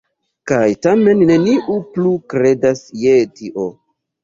Kaj tamen neniu plu kredas je tio.